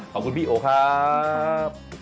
ขอบคุณพี่โอครับ